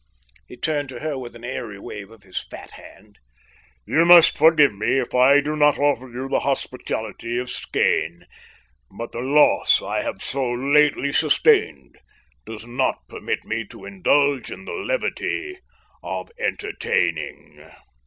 He turned to her with an airy wave of his fat hand. "You must forgive me if I do not offer you the hospitality of Skene, but the loss I have so lately sustained does not permit me to indulge in the levity of entertaining."